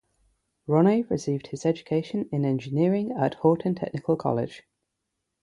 Ronne received his education in engineering at Horten Technical College.